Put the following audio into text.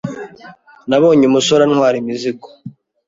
Nabonye umusore antwara imizigo.